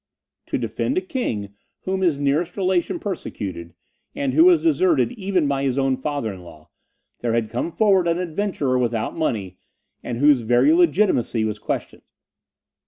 To defend a king whom his nearest relation persecuted, and who was deserted even by his own father in law, there had come forward an adventurer without money, and whose very legitimacy was questioned.